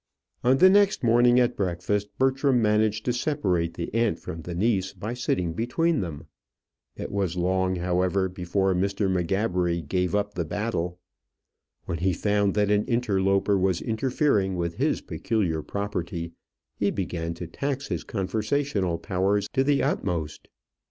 On the next morning at breakfast, Bertram managed to separate the aunt from the niece by sitting between them. It was long, however, before Mr. M'Gabbery gave up the battle. When he found that an interloper was interfering with his peculiar property, he began to tax his conversational powers to the utmost.